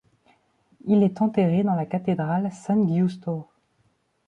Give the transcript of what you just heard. Il est enterré dans la cathédrale San Giusto.